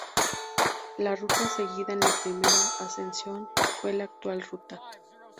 La ruta seguida en la primera ascensión fue la actual ruta.